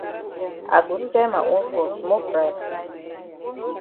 I go sell ma own for small price.